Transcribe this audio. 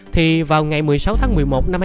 thì vào ngày một mươi sáu tháng một mươi một này